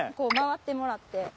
う回ってもらって。